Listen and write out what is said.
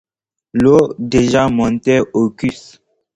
L’eau déjà montait aux cuisses.